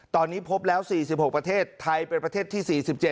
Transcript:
ตอนนี้พบแล้ว๔๖ประเทศไทยเป็นประเทศที่๔๗